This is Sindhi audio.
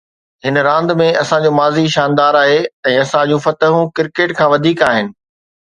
هن راند ۾ اسان جو ماضي شاندار آهي ۽ اسان جون فتحون ڪرڪيٽ کان وڌيڪ آهن.